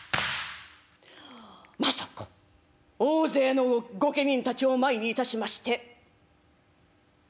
政子大勢の御家人たちを前にいたしまして。